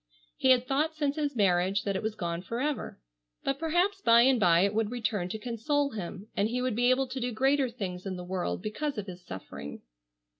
He had thought since his marriage that it was gone forever, but perhaps by and by it would return to console him, and he would be able to do greater things in the world because of his suffering.